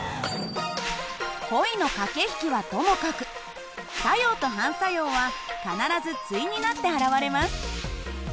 恋の駆け引きはともかく作用と反作用は必ず対になって現れます。